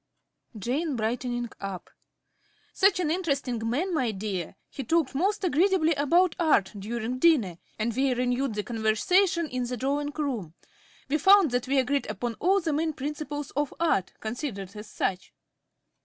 ~Jane~ (brightening up). Such an interesting man, my dear. He talked most agreeably about Art during dinner, and we renewed the conversation in the drawing room. We found that we agreed upon all the main principles of Art, considered as such.